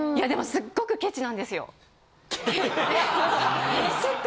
すっごくケチなんです。